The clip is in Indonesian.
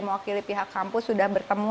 mewakili pihak kampus sudah bertemu